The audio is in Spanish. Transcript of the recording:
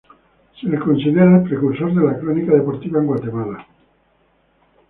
Se le considera el precursor de la crónica deportiva en Guatemala.